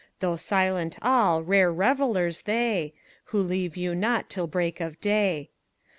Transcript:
Though silent all, rare revelers they, Who leave you not till break of day.